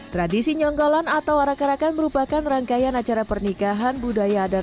tradisi nyonggolan atau warakarakan merupakan rangkaian acara pernikahan budaya adat